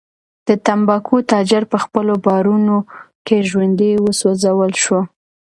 د تنباکو تاجر په خپلو بارونو کې ژوندی وسوځول شو.